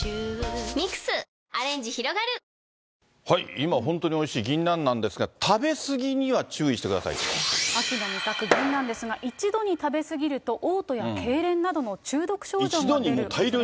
今、本当においしいぎんなんなんですが、食べ過ぎには注意してくださ秋の味覚、ぎんなんですが、一度に食べ過ぎると、おう吐やけいれんなどの中毒症状が出るおそれも。